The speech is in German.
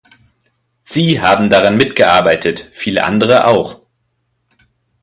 Sie haben daran mitgearbeitet, viele andere auch.